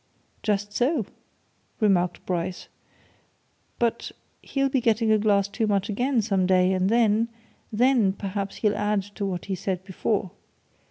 "Just so!" remarked Bryce. "But he'll be getting a glass too much again, some day, and then then, perhaps he'll add to what he said before.